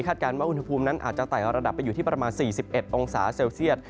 การว่าอุณหภูมินั้นอาจจะไต่ระดับไปอยู่ที่ประมาณ๔๑องศาเซลเซียต